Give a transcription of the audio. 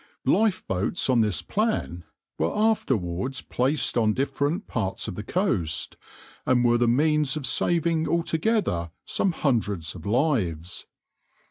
\par Lifeboats on this plan were afterwards placed on different parts of the coast, and were the means of saving altogether some hundreds of lives.